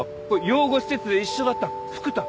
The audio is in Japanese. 養護施設で一緒だった福多。